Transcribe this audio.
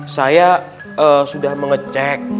saya sudah mengecek